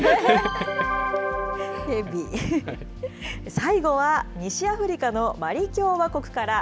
最後は西アフリカのマリ共和国から。